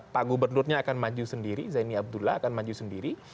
pak gubernurnya akan maju sendiri zaini abdullah akan maju sendiri